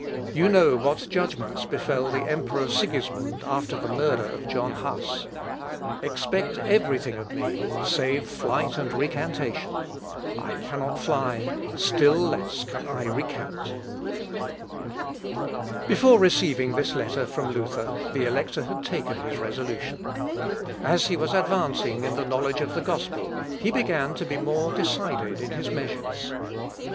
You know what judgments befel the emperor Sigismund after the murder of John Huss. Expect every thing of me save flight and recantation; I cannot fly, still less can I recant." Omnia de me præsumas præter fugam et palinodiam.... (L. Ep. i, p. 536.) Before receiving this letter from Luther, the Elector had taken his resolution. As he was advancing in the knowledge of the gospel, he began to be more decided in his measures.